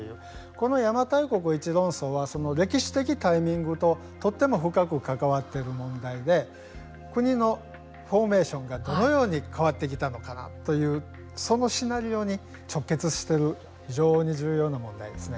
この邪馬台国位置論争は歴史的タイミングととても深く関わっている問題で国のフォーメーションがどのように変わってきたのかなというそのシナリオに直結してる非常に重要な問題ですね。